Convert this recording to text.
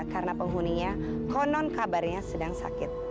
karena penghuninya konon kabarnya sedang sakit